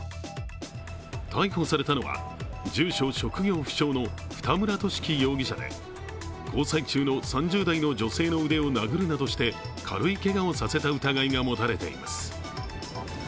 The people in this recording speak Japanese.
逮捕されたのは住所・職業不詳の二村倫生容疑者で交際中の３０代の女性の腕を殴るなどして軽いけがをさせた疑いが持たれています。